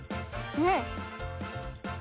うん。